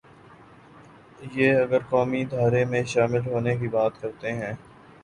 یہ اگر قومی دھارے میں شامل ہونے کی بات کرتے ہیں۔